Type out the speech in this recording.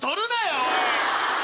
おい！